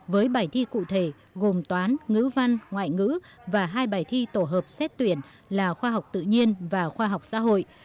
với bài thi cụ thể gồm toán ngữ văn ngoại ngữ và hai bài thi tổ hợp xét tuyển là khoa học tự nhiên và khoa học xã hội